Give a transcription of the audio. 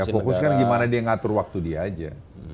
fokusnya gimana dia ngatur waktu dia aja